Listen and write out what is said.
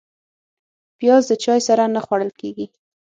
پیاز د چای سره نه خوړل کېږي